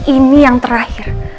ini yang terakhir